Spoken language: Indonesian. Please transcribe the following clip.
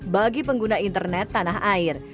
bagi pengguna internet tanah air